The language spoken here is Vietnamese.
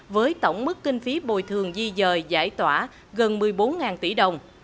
với tổng mức kinh phí bồi thường di dời giải tỏa gần một mươi bốn tỷ đồng